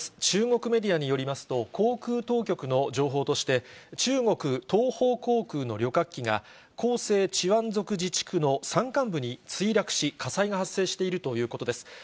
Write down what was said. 中国メディアによりますと、航空当局の情報として、中国、東方航空の旅客機が、広西チワン族自治区の山間部に墜落し、火災が発生しているということです。